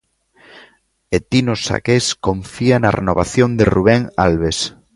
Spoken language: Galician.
E Tino Saqués confía na renovación de Rubén Albes.